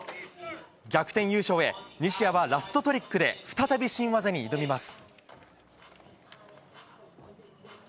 逆転優勝へ、西矢はラストトリックで再び、新技に挑みます。